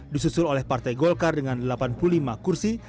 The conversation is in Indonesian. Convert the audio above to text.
disusul oleh partai golkar dengan delapan puluh lima kursi